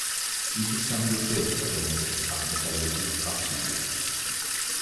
იგი სამლოცველოა, რომელსაც აღმოსავლეთით აფსიდი აქვს.